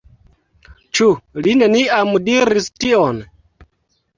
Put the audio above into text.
Ĉu li neniam diris tion?